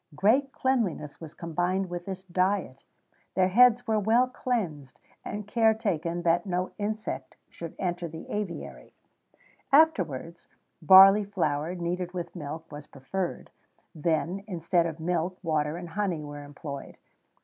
Great cleanliness was combined with this diet: their heads were well cleansed, and care taken that no insect should enter the aviary.[XVII 22] Afterwards barley flour, kneaded with milk, was preferred; then, instead of milk, water, and honey were employed.